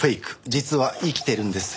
実は生きてるんですよ